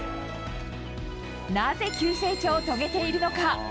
なぜ急成長を遂げているのか。